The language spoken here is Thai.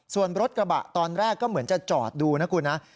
ส่วนรถกระบะตอนแรกก็เหมือนจะจอดดูนะคุณนะ